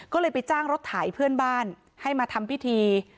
ก็เลยไปจ้างรถไถเพื่อนบ้านให้มาทำพิธี